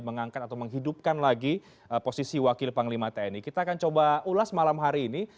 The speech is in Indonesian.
tentang susunan organisasi tni